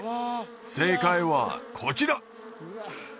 正解はこちら！